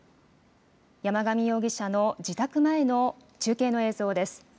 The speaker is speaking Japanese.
山上容疑者の自宅前の中継の映像です。